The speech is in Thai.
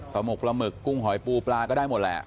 หมกปลาหมึกกุ้งหอยปูปลาก็ได้หมดแหละ